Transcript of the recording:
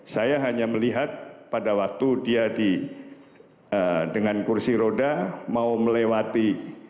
saya hanya melihat pada waktu dia dengan kursi roda mau melewati